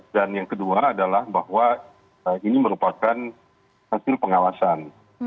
dan yang kedua adalah bahwa ini merupakan hasil pengawasan